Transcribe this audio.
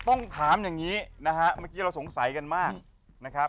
ต้องถามอย่างนี้นะฮะเมื่อกี้เราสงสัยกันมากนะครับ